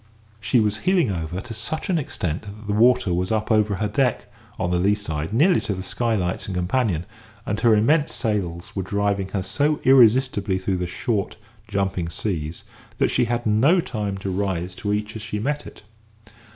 She was heeling over to such an extent that the water was up over her deck, on the lee side, nearly to the skylights and companion; and her immense sails were driving her so irresistibly through the short, jumping seas, that she had no time to rise to each as she met it.